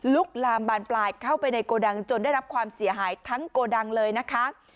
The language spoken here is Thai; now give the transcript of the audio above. ลามบานปลายเข้าไปในโกดังจนได้รับความเสียหายทั้งโกดังเลยนะคะ